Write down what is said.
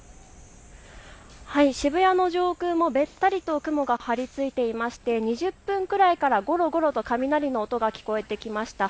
渋谷の上空もべったりと雲が張りついていまして２０分くらいからゴロゴロと雷の音が聞こえてきました。